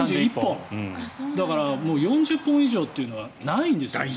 だから４０本以上というのはないんだよね。